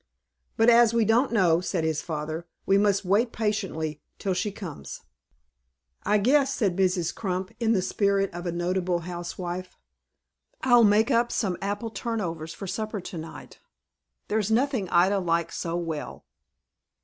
"But as we don't know," said his father, "we must wait patiently till she comes." "I guess," said Mrs. Crump, in the spirit of a notable housewife, "I'll make up some apple turnovers for supper to night. There's nothing Ida likes so well."